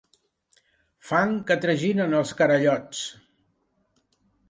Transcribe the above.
Fangs que traginen els carallots.